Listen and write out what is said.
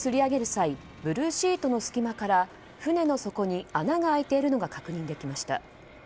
際ブルーシートの隙間から船の底に穴が開いているのが確認できました。